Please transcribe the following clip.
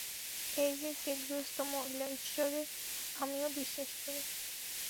এই যে ছিটগ্রস্ত মহিলা, ঈশ্বরে আমিও বিশ্বাস করি।